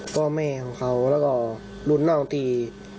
พ่อแม่ของเขาแล้วก็รุ่นน้องตี